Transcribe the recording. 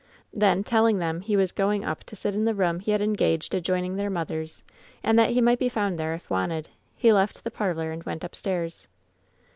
Then, telling them he was going up to sit in the room he had engaged adjoining their mother's, and that he might be found there if wanted, he left the par lor and went upstairs.